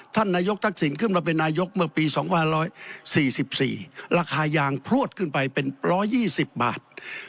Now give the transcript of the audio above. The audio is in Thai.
ท่านนายกทักษิณขึ้นมาเป็นนายกเมื่อปี๒๑๔๔ราคายางพลวดขึ้นไปเป็น๑๒๐บาท